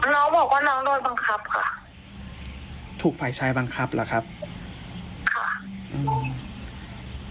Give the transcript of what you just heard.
น้องบอกว่าน้องโดนบังคับค่ะถูกฝ่ายชายบังคับเหรอครับค่ะอืม